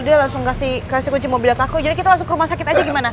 dia langsung kasih kunci mobil aku jadi kita langsung ke rumah sakit aja gimana